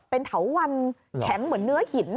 เป็นเถาวันแข็งเหมือนเนื้อหิน